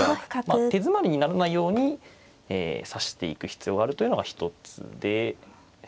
手詰まりにならないように指していく必要があるというのが一つで。